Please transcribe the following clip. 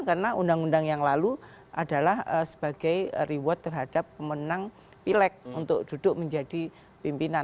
karena undang undang yang lalu adalah sebagai reward terhadap pemenang pilek untuk duduk menjadi pimpinan